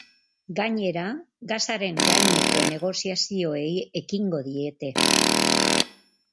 Gainera, gasaren gaineko negoziazioei ekingo diete.